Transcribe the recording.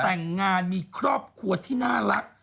แต่งงานมีครอบครัวที่น่ารัก